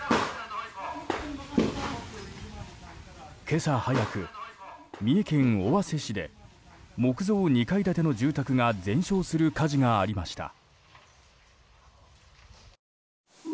今朝早く、三重県尾鷲市で木造２階建ての住宅が全焼する火事がありました。